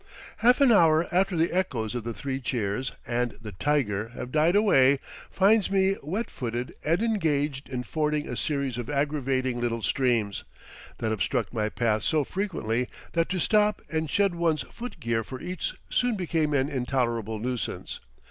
Half an hour after the echoes of the three cheers and the "tiger" have died away finds me wet footed and engaged in fording a series of aggravating little streams, that obstruct my path so frequently that to stop and shed one's foot gear for each soon becomes an intolerable nuisance.